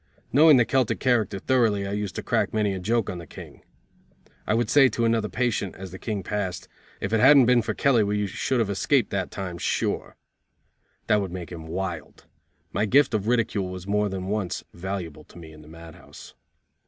Knowing the Celtic character thoroughly I used to crack many a joke on the King. I would say to another patient, as the King passed: "If it hadn't been for Kelly we should have escaped that time sure." That would make him wild. My gift of ridicule was more than once valuable to me in the mad house.